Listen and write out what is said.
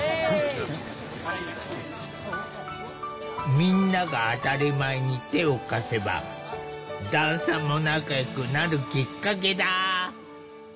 みんなが当たり前に手を貸せば段差も仲よくなるきっかけだ！